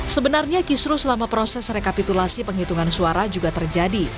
sebenarnya kisru selama proses rekapitulasi penghitungan suara juga terjadi